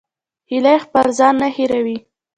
هیلۍ خپل ځای نه هېروي